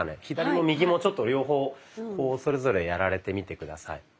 左も右もちょっと両方それぞれやられてみて下さい。